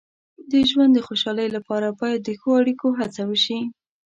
د ژوند د خوشحالۍ لپاره باید د ښو اړیکو هڅه وشي.